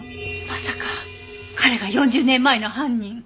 まさか彼が４０年前の犯人？